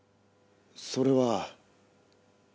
それは。